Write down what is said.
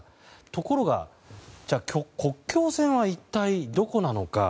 ところが、国境線は一体どこなのか。